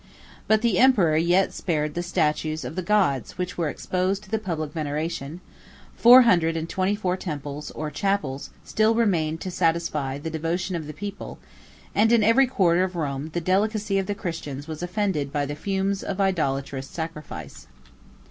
10 But the emperor yet spared the statues of the gods which were exposed to the public veneration: four hundred and twenty four temples, or chapels, still remained to satisfy the devotion of the people; and in every quarter of Rome the delicacy of the Christians was offended by the fumes of idolatrous sacrifice.